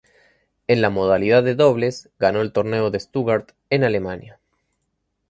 En la modalidad de dobles ganó el Torneo de Stuttgart en Alemania.